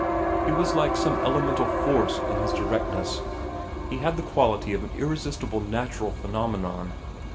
He was like some elemental force in his directness. He had the quality of an irresistible natural phenomenon.